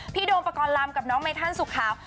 พี่โดมประกอบลำกับน้องเมธั่นสุขขาว